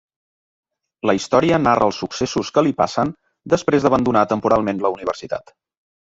La història narra els successos que li passen després d'abandonar temporalment la Universitat.